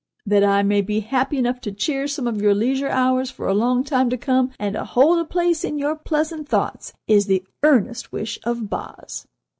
That I may be happy enough to cheer some of your leisure hours for a long time to come, and to hold a place in your pleasant thoughts, is the earnest wish of 'Boz.